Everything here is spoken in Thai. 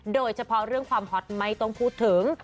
โดยเฉพาะเรื่องความฮอตไม่ต้องพูดถึง